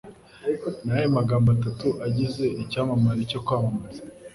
Ni ayahe magambo atatu agize icyamamare cyo kwamamaza